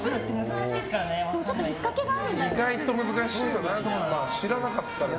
意外と難しいよな。